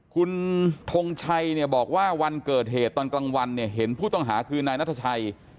คุณทงชัยเนี่ยบอกว่าวันเกิดเหตุตอนกลางวันเนี่ยเห็นผู้ต้องหาคือนายนัทชัย